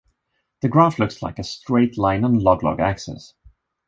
The graph looks like a straight line on log-log axes.